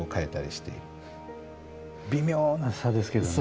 微妙な差ですけどね。